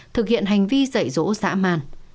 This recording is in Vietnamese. thực hiện hành vi dậy rỗ dã man